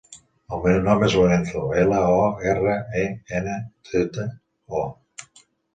El meu nom és Lorenzo: ela, o, erra, e, ena, zeta, o.